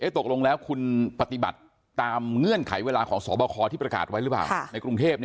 ตกลงแล้วคุณปฏิบัติตามเงื่อนไขเวลาของสบคที่ประกาศไว้หรือเปล่าในกรุงเทพ